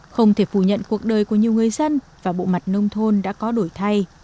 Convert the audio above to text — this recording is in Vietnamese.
không thể phủ nhận cuộc đời của nhiều người dân và bộ mặt nông thôn đã có đổi thay